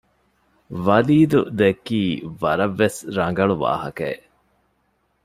ވަލީދު ދެއްކީ ވަރަށް ވެސް ރަނގަޅު ވާހަކައެއް